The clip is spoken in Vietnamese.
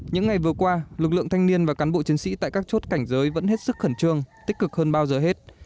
những ngày vừa qua lực lượng thanh niên và cán bộ chiến sĩ tại các chốt cảnh giới vẫn hết sức khẩn trương tích cực hơn bao giờ hết